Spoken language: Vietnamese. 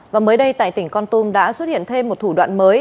và mới đây tại tỉnh con tum đã xuất hiện thêm một thủ đoạn mới